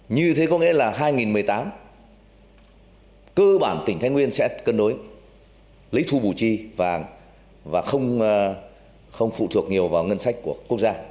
như thế có nghĩa là hai nghìn một mươi tám cơ bản tỉnh thái nguyên sẽ cân đối lấy thu bù chi vàng và không phụ thuộc nhiều vào ngân sách của quốc gia